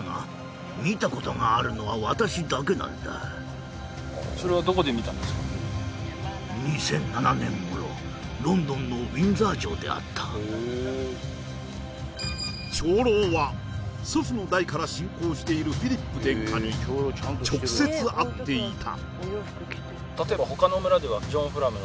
この村にとってここで語られる２００７年頃ロンドンのウィンザー城で会った長老は祖父の代から信仰しているフィリップ殿下に直接会っていた